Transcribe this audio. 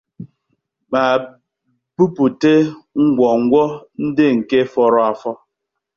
ma bupute ngwongwo ndị nke fọrọ afọ.